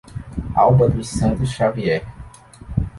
Alba dos Santos Xavier